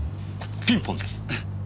ピンポンです！